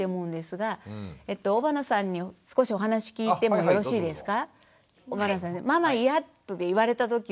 尾花さんに少しお話聞いてもよろしいですか？